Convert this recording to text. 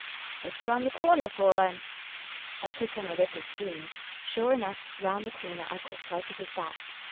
" Just round the corner, Fraulein !" I put on a little steam. Sure enough, round the corner I caught sight of his back.